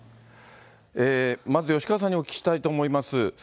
まず吉川さんにお聞きしたいと思います。